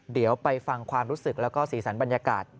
เดี๋ยวไปฟังความรู้สึกแล้วก็สีสันบรรยากาศ